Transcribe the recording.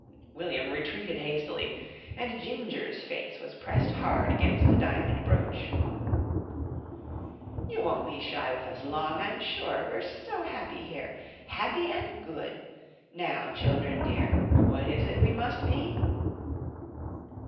William retreated hastily, and Ginger's face was pressed hard against a diamond brooch. "You won't be shy with us long, I'm sure. We're so happy here. Happy and good. Now, children dear, what is it we must be?"